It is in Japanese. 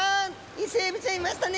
イセエビちゃんいましたね。